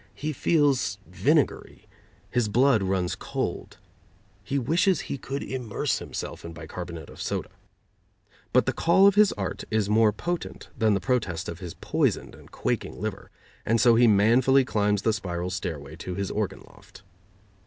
He feels vinegary; his blood runs cold; he wishes he could immerse himself in bicarbonate of soda. But the call of his art is more potent than the protest of his poisoned and quaking liver, and so he manfully climbs the spiral stairway to his organ loft.